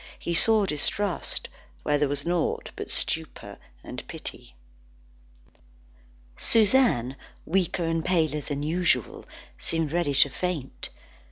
He saw distrust where there was naught but stupor and pity. Suzanne weaker and paler than usual, seemed ready to faint.